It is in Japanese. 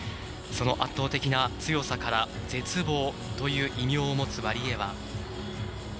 その圧倒的な強さから「絶望」という異名を持つ、ワリエワ。